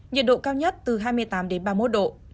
nhiệt độ cao nhất từ hai mươi tám đến ba mươi một độ